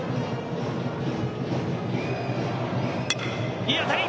いい当たり。